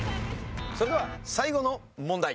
それでは最後の問題。